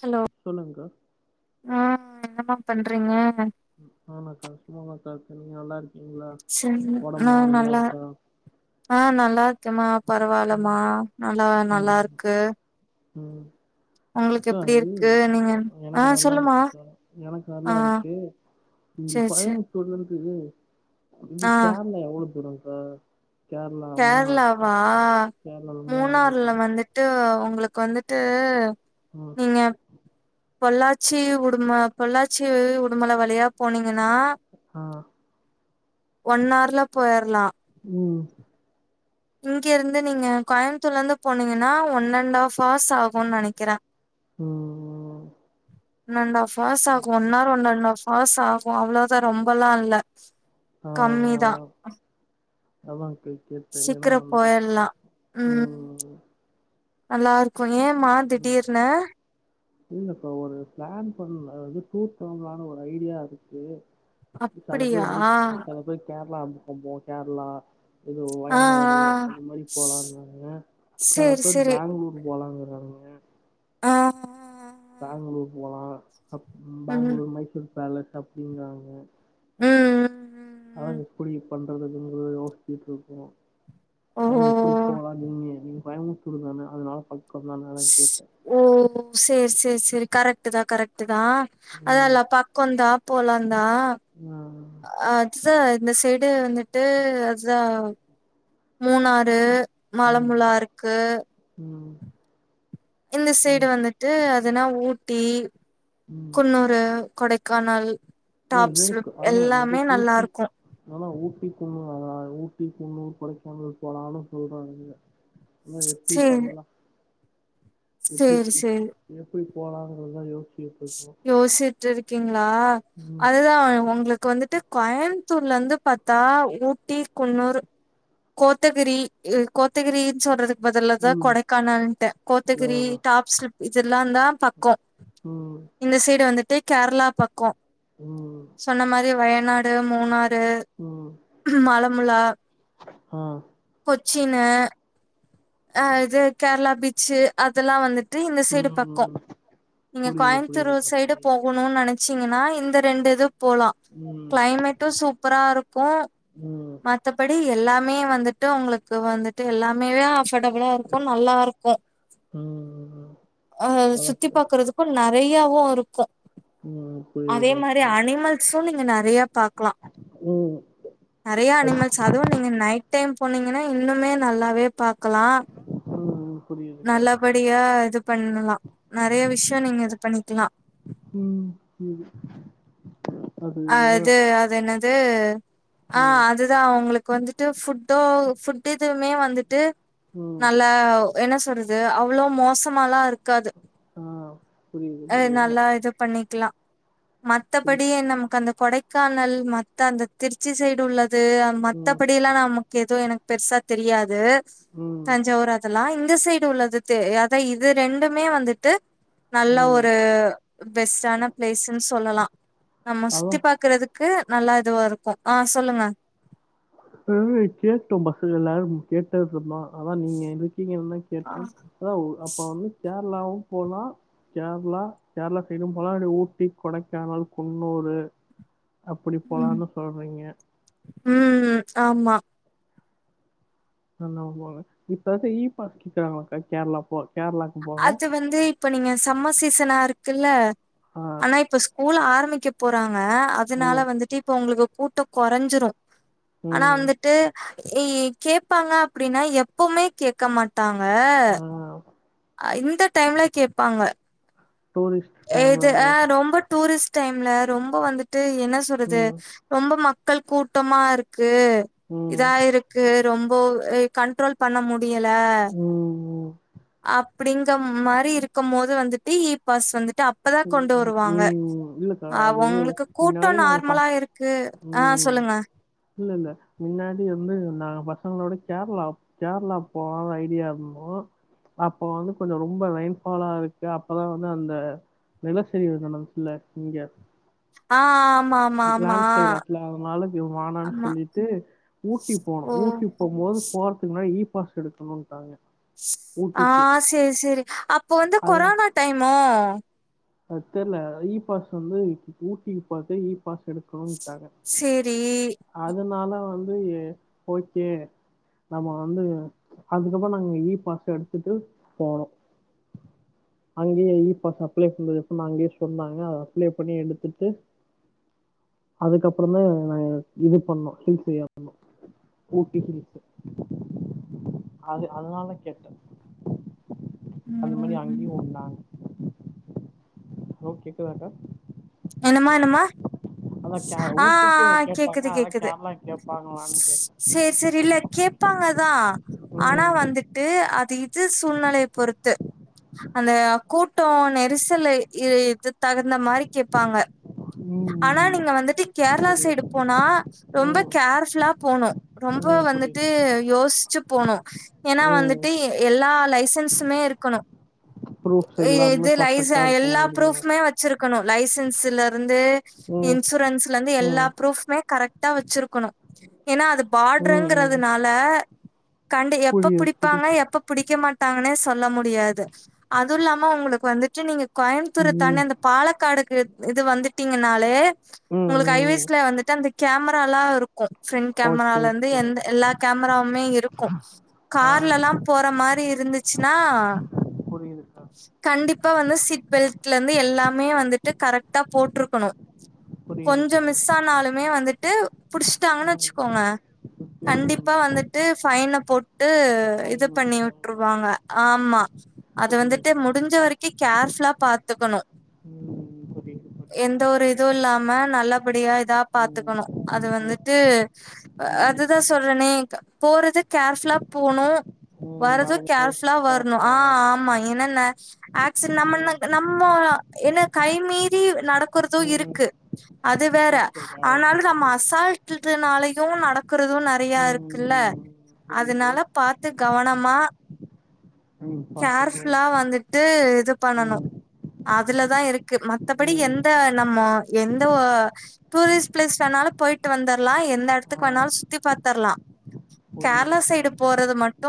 Hello சொல்லுங்கக்கா ஆ என்ன மா பண்றீங்க ஆமாக்கா [unintelligible] நீங்க நல்லா இருக்கீங்களா சரி நா உடம்புலா நல்லா இருக்கா ஆ நல்லா இருக்க மா பரவாயில்லமா ம் நல்லாவே நல்லா ம் இருக்கு ம் உங்களுக்கு அக்கா எப்டி இது இருக்கு நீங்க ஆ எனக்கு நல்லா சொல்லுமா இருக்கு கா எனக்கு ஆ நல்லா இருக்கு இங்க சேரி சேரி கோயம்புத்தூர்ல இருந்து வந்து ஆ கேரளா எவ்ளோ தூரம் கா கேரளாவா கேரளாவில் மூணார் மூணார்ல இருக்குல்ல வந்து ட்டு உங்களுக்கு வந்துட்டு ஆ நீங்க பொள்ளாச்சி உடுமல பொள்ளாச்சி உடுமல வழியா போனீங்கன்னா ஆ ஒன் ஹர்ல போய்ரலாம் ம் இங்கிருந்து நீங்க கோயம்புத்தூர்ல இருந்து போனீங்கன்னா ஒன் அண்ட் ஹாப் பாஸ் ஆகும்னு நினைக்கிறேன் ம் நன்ட் ஆஃப் பாஸ் ஆகும் ஒன்னார் ஒன்அண்ட் ஹார்ஸ் பாஸ் ஆகும் அவ்ளோதான் ரொம்பல்லா இல்ல கம்மி தான் அதான் கை கேப்பேன் ஏனா சீக்கிர வந்து போயிர்லா ம் நல்லா இருக்கும் ஏம்மா திடீர்னு இல்லக்கா ஒரு பிளான் பண்ண வந்து டூர் போலாம்னு ஒரு ஐடியா இருக்கு செல பேர் அப்டியா வந்து ஆ செல பேர் கேர்ளா முக்கம்போர் கேர்ளா எதோ ஆ வயநாடு அது மாரி போலான்னாங்க செல சேரி பேர் சேரி பேங்ளூர் போலாங்க ஹலோ ஆ பேங்ளூர் போலா அப் ம் பேங்ளூர் மைசூர் பேலஸ் அப்டின்னாங்க ம் ம் அதா ம். எப்டி பண்றதுனு யோச்சிட்டு இருக்கோ ஓ அதான் எப்டி போகலா நீங்க நீ கோயம்புத்தூர் தான அதனால பக்கம் தான அதா கேட்ட ஓ சேரி சேரி சேரி கரெக்ட்தா கரெக்ட்தா ம் அதெல்லா ப க்கம்ந்தா போலாந்தா மா அதுதா இந்த சைடு வந்துட்டு அதுதா மூணாறு ம் மலமுளா இருக்கு ம் இந்த ஆ, சைடு வந்துட்டு அதுனா ஊட்டி ம் குன்னூர் அ கொடைக்கானல் ம் டாப்ஸ் இருக்கு அதுனா இல்லாட்டி எல்லாமே நல்லா ஊட்டி இருக்கு இல்லனா ஊட்டி குன்னூ அதா ஊட்டி குன்னூர் கொடைக்கானல் போலான்னு சொல்றாங்கங்க அனா எப்டி சேரி பண்லாம் எப்டி சேரி சேரி எப்டி போலாங்கததான் யோஸ் யோசிட்டு இருக்கீங்களா ம் அதுதான் உங்களுக்கு வந்துட்டு கோயமுத்தூர்ல இருந்து பார்த்தா ஊட்டி குன்னூர் கோத்தகிரி இல்ல கோத்தகிரின்னு சொல்றது பதில்லா தான் ம் கொடைக்கானல்ன்ட்ட கோத்தகிரி ஆ டாப் சிலிப் இதெல்லாம் தான் பக்கோ ம் இந்த சைடு வந்துட்டு கேரளா பக்கம் ம் ம் சொன்ன மாரி வயநாடு மூணாறு ம் மலம்மூலா ஆ கொச்சினு அ இது கேரளா பீச்சு அதெல்லா வந்துட்டு இந்த சைடு ம் பக்கோ ம் நீங்க புரியுது கோயமுத்தூரு புரியுதுக்கா சைடு போ புரியுது ணூன் நெனச்சீங்கனா இந்த ரெண்டு இது போலா ம் கிளைமேட்டு சூப்பரா இருக்கு ம் மத்தபடி எல்லாமே வந்துட்டு உங்களுக்கு வந்துட்டு எல்லாமேதா ஆஃப் டபுளாருக்கு நல்லாருக்கு ம் அ அதா சுத்தி பாக்குறதுக்கு நெறயாவு இருக்கு ம் அதே புரியுதுக்கா மாரி புரியுது அனிமல்ஸு நீங்க நெறய பாக்லா ம் நெறயா அது- அனிமல்ஸ் அதுவு நீங்க நைட் டைம் போனீங்கனா இன்னுமே நல்லாவே பாக்கலா ம்ம் நல்லபடியா இது பண்ணலா நெறய விஷய நீங்க இது பண்ணிக்கலா ம் ம் அ அது அது என்னது ஆ ம் அது தா அவுங்களுக்கு வந்துட்டு ஃபுட்டோ ஃபுட் இதுவுமே வந்துட்டு ம் நல்லா என்ன சொல்றது அவ்ளோ மோசமாலா இருக் க்காது ஆ புரியுது அது புரியுதுதா நல்லா இது பண்ணிக்லா புரி மத்தபடி நமக்கு அந்த கொடைக்கானல் மத்த அந்த திருச்சி சைடு உள்ளது ம் மத்தபடில்லா நமக்கு எது எனக்கு பெருசா தெரியாது ம் தஞ்சாவூர் அத் தெல்லா இந்த சைடு உள்ளது தெ அத இது ரெண்டுமே வந்துட்டு நல்ல ம் ஒரு பெஸ்ட்டான பிளேஸ்ன் சொல்லலா நம்மச் அதா பாக்கறதுக்கு நல்லா இதுவா இருக்கு ஆ சொல்லுங்க ஆனே கேட்டோ பஸ்ஸுல எல்லாரு கேட்டோ சொன்னா அதா நீங்க இருக்கீங்கன்னு ஆ கேட்ட ஓ அப்ப வந்து கேரளாவு போலா கேர்ளா கேரளா சைடு போலா இல்ல ஊட்டி கொடைக்கானல் குன்னூரு அப்பிடி ம் போலான் சொல்றீங்க ம் ஆமா நநா போக இப்பந்து இ பாஸ் கேக்குறாங்களாகா கேரளா போ கேரளாக்கு போக அது வந்து இப்ப நீங்க சம்மர் சீசனா இருக்குல்ல ஆ ஆனா இப்ப ஸ்கூல் ஆரம்பிக்க போறாங்க அதனால ம் வந்துட்டு இப்போ உங்களுக்கு கூட்ட கொறஞ்சிடு ஆனா ம் வந்துட்டு கேப்பாங்க அப்டின்னா எப்பமே கேக்க மாட் டாங்க ஆ இந்த டைம்ல கேப்பாங்க டூரிஸ்ட் இது டைம்லங்க ஆ ரொம்ப டூரிஸ்ட் டைம்ல ரொம்ப வந்துட்டு என்ன சொல்றது ம் ரொம்ப மக்கள் கூட்டமா இருக்கு ம் இதா இருக்கு ரொம்ப கண்ட்ரோல் பண்ண முடியல ம் அப்படிங்க மாரி இருக்கு போது வந்துட்டு இ பாஸ் வந்துட்டு அப்பதான் கொண்டு ம் வருவாங்க ம் இல்லக்கா அது அவங்களுக்கு கூட்ட மின்னாடி நாங்க பா நார்மலா இருக்கு ஆ ம் சொல்லுங்க இல்ல இல்ல முன்னாடி வந்து நாங்க பசங்களோட கேரளா கேரளா போலான் ஐடியால இருந்தோ அப்ப வந்து கொஞ்சோ ரொம்ப ரைன்ஃபாலா இருக்கு அப்பதா வந்து அந்த நிலச்சரிவுதான ஃபுல்லா இங்க ஆ ஆமா ஆமா லாண்ட்ஸ்லைடுச்சுல அதனால இப்டி வானான் ஆமா. சொல்லிட்டு ஊட்டி போனோ ஓ! ஊட்டி போம்போது போறதுக்கு முன்னாடி இ பாஸ் எடுக்கணுன்ட்டாங்க ஆ ஊட்டிக்கு செரி செரி அப்போ வந்து கொரோனா டைமோ அத் தெர்ல இ பாஸ் வந்து ஊட்டிக்கு போறதுக்கு இ பாஸ் எடு எடுத்து [unintelligible] ட்டாங்க சேரி. அதனால வந்து எ ஓக்கே நம்ம வந்து அதுக்கப்பறோ நாங்க ஈ பாச எடுத்துட்டு போனோ அங்கேயே இ பாஸ் அ ப்ளை [unintelligible] அங்கேய சொன்னாங்க அத அப்ளை பண்ணி எடுத்துட்டு அதுக்கப்புறமு நாங்க இது பண்ணோ ஹில்ஸ் ஏற்னோ ஊட்டி ஹில்ஸ்சு அது அதனாலதா கேட்டே அந்த மாரி ம். அங்கயு வந்தாங் ஹலோ கேக்குதாக்கா என்னமா என்னமா அதான் கே ஆ ஊட்டிக்கு கேட்டாங்க கேக்குது அதான் கேக்குது கேரளா கேட்பாங்களான்னு கேட்டேன் சரி சரி இல்ல கேப்பாங்க தா ஆனா ம் வந்துட்டு அது இது சூழ்நிலைய பொறுத்து அந்த கூட்டோ நெரிசல் இ இது தகுந்த மாதிரி கேப்பாங்க ஆனா ம் நீங்க வந்துட்டு கேரளா புரியுது சைடு போனா ரொம்ப ம் கேர்ஃபுல்லா போனு ரொம்ப ம் வந்துட்டு புரியுது யோசிச்சு போனு ஏன்னா ம் வந்துட்டு எ எல்லா லைசன்ஸ் மே இருக்கணு ப்ரூஃப்ஸ் எல்லாமே இது லைச பர்ஃபெக்ட்டா எல்லா இருக்கணுங்கிறீங்க ப்ரூஃப் மே வச்சிருக்கணு லைசன்ஸ்ல இருந்து ம் இன்சூரன்ஸ்ல இந்து எல்லா ம் ப்ரூஃப்மே கரெக்ட்டா வச்சிருக்கணு ஏன்னா அது ம் ம் பாட்றங்றதுனால கண்ட எப்ப புரியுது புரியுது புடிப்பாங்க எப்ப புடிக்க மாட்டாங்கனே சொல்ல முடியாது அது இல்லாம உங்களுக்கு வந்துட்டு நீங்க கோயம்புத்தூர ம் தாண்டி அந்த பாலக்காடுக்கு இது வந்துட்டீங்கனாலே ம் உங்களுக்கு ஐ ம் வேஸ்ல வந்துட்டு அந்த கேமராலா இருக் கு ஃப்ரண்ட் ஓகே கேமராலந்து ஓகே எந் எல்லா கேமராவுமே இருக்கு ஆ கார்லல்லா போற மாரி இருந்துச்சுனா புரியுதுக்கா கண்டிப்பா வந்து சீட் பெல்ட்லந்து எல்லாமே வந்துட்டு கரெக்ட்டா போட்ருக்கணு புரியுது கொஞ்சோ மிஸ் புரியுது ஆனாலுமே வந்துட்டு புடுச்ட்டாங்கனு ம் வச்சுக்கோங்க ரிப்பேர் கண்டிப்பா பண்ணலாம். வந்துட்டு ஃபைன போட்டு இது ஐநூறு பண்ணி வுட்டுருவாங்க ஐநூறு ஆம்மா அது புரியுது வந்துட்டு புரியுது. முடிஞ்ச வரைக்கு கேர் ஃபுலா பாத்துக்கணு ம் புரியுது புரி எந்த ஒரு இது இல்லாம நல்லபடியா இதா பாத்துக்கணு அது ம் ம் வந்துட்டு ம் அதுதா சொல்றனே க போறது கேர்ஃபுல்லா போணு ம் வரது வரும்போது கேர்ஃபுல்லா வரணு கேப்ல ஆ வரும்போது ஆமா என்னன்ன ஆக்சிட் நம்மன ம் நம்மோ என்ன கை மீறி நடக்கறது இரு ம் க்கு அது வேற ஓகேக்கா ஓகே ஆனாலு நம்ம புரியுது புரியுது. அசால்ட் டுட்னாலயு நடக்கறது நெறைய இருக்குல்ல ம் புரியுது அதனால பாத்து கவனமா ம் பாத்துக்கோ கேர்ஃபுல்லா வந்துட்டு இது பண்ணனு ம் அதுலதா இருக்கு மத்தபடி ம் எந்த நம்மோ எந்த டூரிஸ்ட் பிளேஸ் வேணாலு போயிட்டு வந்தர்லா எந்த ஆ எடத்துக்கு வேணாலு சுத்தி பாத்தர்லா புரியுது கேரளா சைடு புரியுது போறது மட்டு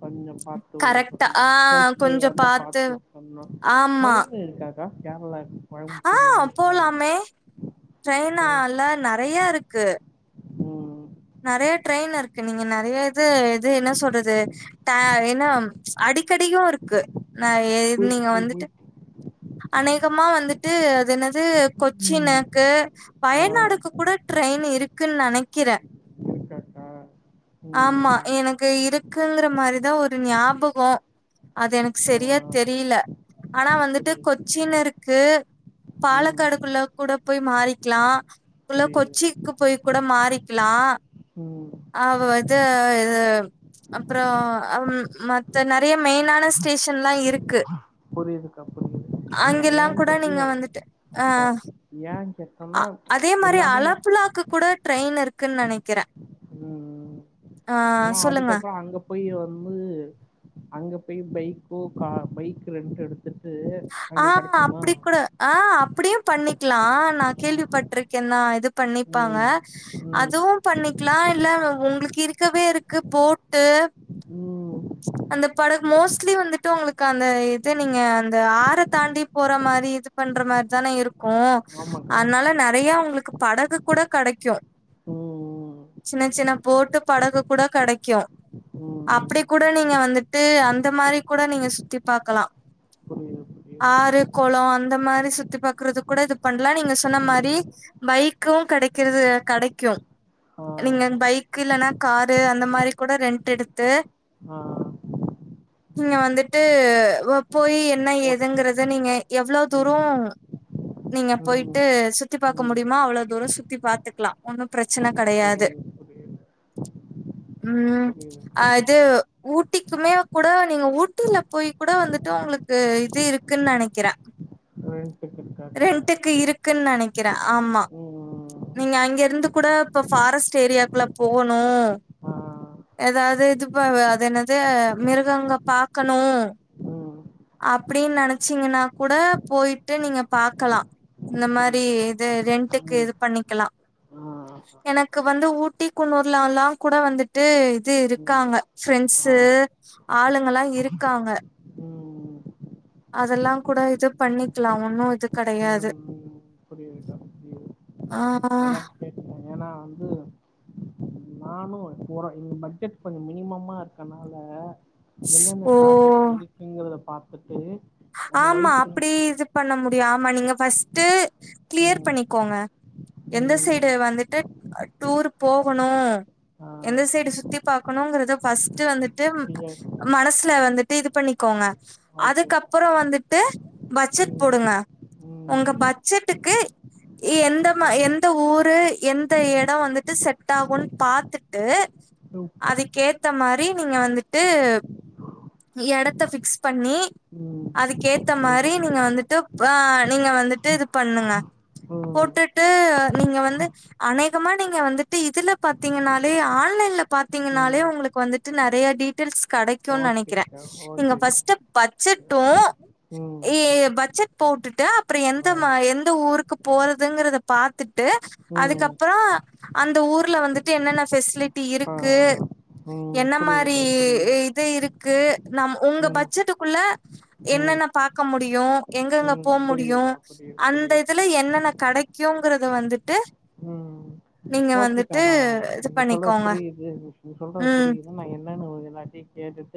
கொஞ்சோ பாத்து கரெக்டா ஆ பண்ணு [unintelligible] பாத்து பண்ணு ஆமா ட்ரெயின் இருக்கா கா கேரளாக் ஆ கோயம்த்தூர்லந்து ட்ரெயின் போலாமே ட்ரெயின் ட்ரெயினால நெறைய இருக்கு ம் நெறைய ட்ரெயின் இருக்கு நீங்க நெறைய இது இது என்ன சொல்றது ட ஏன்னா ம் அடிக்கடியு இருக்கு ந நீங்க ஓகே ஓகே வந்துட்டு அநேகமா வந்துட்டு அது என்னது ம் கொச்சினிக்கு ஆ வயநாடுக்கு கூட ட்ரெயின் இருக்குன் நெனைக்கிறே இருக்காக்கா ஆமா ம் எனக்கு இருக்குங்க்ற மாரிதா ஒரு ஞாபகோ அது எனக் ஆ செரியா தெரியில ஆனா வந்துட்டு புரியுது கொச்சினிருக்கு ம் பாலக்காடுக்குள்ள கூட போய் மாறிக்லா உள்ள புரியுது கொச்சிக்கு போய் கூட மாறிக்லா ம் அவ இது எ அப்றோ அம் மாத் த நெறைய மெயினான ஸ்டேஷன்ல்லா இருக்கு புரியுதுக்கா புரியுது ஏ அங்கெல்லா கூட நீங்க வந்துட்டு ஆ யா கேட் அதே மாரி அலப்புலாக்கு கூட ட்ரெயின் இருக் க்குன் நெனைக்கிறே ம் ஆ ஏன்னா சொல்லுங்க அதுக்கப்புறோ அங்க போய் வந்து அங்க போய் பைக்கோ கா பைக் ரெண்ட்டெ டுத்து ஆ அங்க கடைக்குமா அப்படி கூட ஆ அப்படியு பண்ணிக்லா நா ஆ கேள்விப்பட்ருக்கே நா இது பண்ணிப்பாங்க ம் ம் அதுவு பண்ணிக்லா இல்ல உங்ளுக்கு இருக்கவே இருக்கு போட்டு ம் அந்த படகு மோஸ்ட்லி வந்துட்டு உங்களுக்கு அந்த இது நீங்க அந்த ஆற தாண்டி போற மாரி இது பண்ற மாரி தானே இருக்கு ஆமாக்கா அத்னால நெறைய உங்ளுக்கு படகு கூட கடைக்கு ம் சின்ன சின்ன போட்டு படகு கூட கெடைக்கு ம் அப்படி கூட நீங்க வந்துட்டு அந்த மாரி கூட நீங்க சுத்தி பாக்கலா புரிது புரி ஆறு கொளோ அந்த மாரி சுத்தி பாக்குறது கூட இது பண்லா நீங்க சொன்ன மாரி ம் பைக்கு கடைக்கிறது கடைக்கு ஆ நீங்க பைக் இல்லனா காரு அந்த மாரி கூட ரெண்ட் எடுத்து ஆ நீங்க வந்துட்டு வ போயி என்ன ஓகேக்கா ஏதுங்கறத நீங்க ஓகேக்கா எவ்வளோ தூரோ ம் நீங்க ம் போயிட்டு சுத்தி பாக்க ம் முடியுமோ அவ்ளோ தூரோ சுத்தி பாத்துக்லா ஒன்னும் ப்ரெச்சன கெடையாது புரியுது புரியுது ம் அ இது ம் ஊட்டிக்குமே கூட நீங்க ஊட்டில போய் கூட வந்துட்டு உங்களுக்கு இது இருக்குன் நெனைக்கிறே ரெண்டுக்கு கா ரெண்டுக்கு இருக்குன் நெனைக்கிறே ஆமா ம் நீங்க அங்க இருந்து கூட இப்ப ஃபாரஸ்ட் ஏரியாக்குள்ள போணு ஆ எதாவ்து இதுப்ப வ அது என்னது மிருகங்க பாக்கணு ம் அப்படின் நெனச்சீங்கன்னா கூட போயிட்டு நீங்க பாக்கலா இந்த மாரி புரியுது இது ரெண்டுக்கு ம் இது பண்ணிக்கலா ஆ எனக்கு வந்து ஊட்டி குன்னூர்லாலா கூட வந்துட்டு இது ம் இருக்காங்க ஆ ஃப்ரெண்ஸு ஆளுங்கல்லா இருக்காங்க ம் அதெல்லா கூட இது பண்ணிக்லா ஒன்னு இது கடையாது புரிதுகா புரிது ஆ ஏன்னா வந்து நானு போறே எங்க பட்ஜெட் கொஞ்சோ மினிமமா இருக்கனால என்னென்ன ஓ சாடஸ் இருக்குங்கறத பாத்துட்டு அப்ப ஆமா வைட் அப்படி இது பண்ண முடியு ஆமா நீங்க ஃபர்ஸ்ட்ட் கிளியர் ம் பண்ணிக்கோங்க எந்த சைடு ம் வந்துட்டு டூர் போகணு எந்த சைடு சுத்தி பாக்கணுங்கறத பஸ்ட் வந்துட்டு மனசுல வந்துட்டு இது பண்ணிக்கோங்க ஆ ஓகே அதுக்கப்புறோ வந்துட்டு பட்ஜெட் ம் போடுங்க உங்க ம் பட்ஜெட்டுக்கு எந்த மா ஏங்க எந்த ஊரு எந்த ம் இடோ வந்துட்டு செட் ஆகுன்னு பாத்துட்டு அதுக்கேத்த மாரி நீங்க வந்துட்டு இடத்த பிக்ஸ் பண்ணி ம் ம் அதுக்கேத்த ஃபுல் மாரி நீங்க பண்ணிக்கலாம் வந்துட்டு ஆ நீங்க வந்துட்டு இது பண்ணுங்க ம் போட்டுட்டு நீங்க வந்து அநேகமா நீங்க வந்துட்டு இதுல பாத்தீங்கன்னாலே ஆன்லைன்ல பாத்தீங்கன்னாலே ம் உங்களுக்கு வந்துட்டு நெறைய டீடெயஸ் கிடைக்கும்னு நினைக்கிறே ஓகேக்கா நீங்க ஓகேக்கா ஃபர்ஸ்ட் பட்ஜெட்டு ம் ஏ பட்ஜெட் போட்டுட்டு அப்றோ எந்த ஆ எந்த ஊருக்கு போறதுங்கறத பாத்துட்டு ம் அதுக்கப்றோஅந்த ஊர்ல வந்துட்டு என்னென்ன பெஃசிலிட்டி ஆ இருக்கு ம் என்ன மாதிரி புரியுதுக்கா புரியுது இது இருக்கு நம் உங்க ம் பட்ஜெட்டுக்குள்ள ம் என்னென்ன பார்க்க முடியு எங்க எங்க ம் போக முடியு புரியுதுக்கா புரியுது அந்த புரியுது இது என்னென்ன கிடைக்குறது வந்துட்டு ம் நீங்க போச்சுக்கே வந்துட்டு நா இது நீங்க சொல்றது பண்ணிக்கோங்க. புரியுது சொல்றது புரியுது ஆ என்னன்னு எல்லாட்டையு கேட்டுட்டு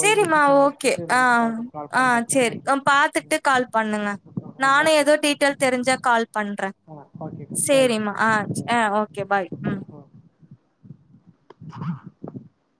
ஒரு டெசிஷன் ஓகே எடுத்துட்டு ஆ என்னன்னு பார்த்துட்டு கால் ஆ பண்றேன்க்கா சேரி ஓகே ம் பார்த்துட்டு கால் பண்ணுங்க ஆ நானு ஓகே ஏது டீட்டெயல் தெரிஞ்சா கால் பண்றே ஆ ஓகே தேங்க் சரிம்மா ஆ யூ ஓ ஓகே பாய் உ [inaudible]